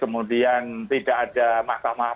kemudian tidak ada mahkamah